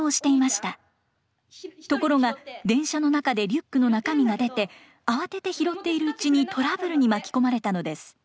ところが電車の中でリュックの中身が出て慌てて拾っているうちにトラブルに巻き込まれたのです。